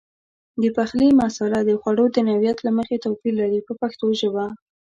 د پخلي مساله د خوړو د نوعیت له مخې توپیر لري په پښتو ژبه.